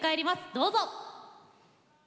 どうぞ。